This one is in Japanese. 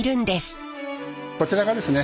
こちらがですね